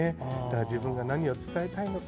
自分が何を伝えたいのか。